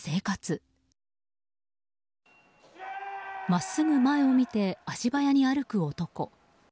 真っすぐ前を見て足早に歩く男。